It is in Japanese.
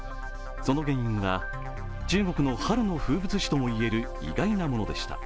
その原因は中国の春の風物詩ともいえる意外なものでした。